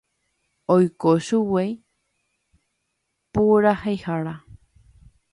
Oiko chugui puraheihára